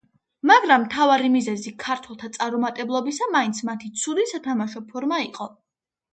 მაგრამ მთავარი მიზეზი ქართველთა წარუმატებლობისა მაინც მათი ცუდი სათამაშო ფორმა იყო.